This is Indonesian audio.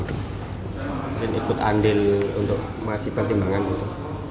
mungkin ikut andil untuk masih pertimbangan itu